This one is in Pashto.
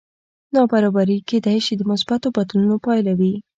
نابرابري کېدی شي د مثبتو بدلونونو پایله وي